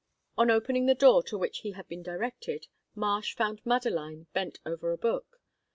On opening the door to which he had been directed, Marsh found Madeline bent over a book.